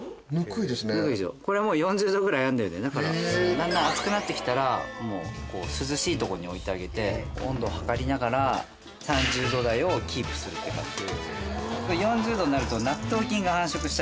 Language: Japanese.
だんだん暑くなってきたら涼しいとこに置いてあげて温度測りながら３０℃台をキープするって感じ。